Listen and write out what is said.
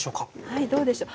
はいどうでしょう。